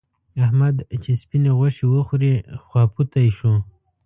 احمد چې سپينې غوښې وخوړې؛ خواپوتی شو.